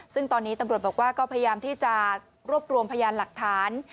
ซึ่งตอนนี้ตำรวจบอกว่าก็พยายามที่จะรวบรวมพยานหลักฐาน